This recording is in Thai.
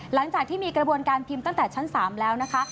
หลังจากที่มีกระบวนการพิมพ์ตั้งแต่ชั้น๓แล้วนะคะ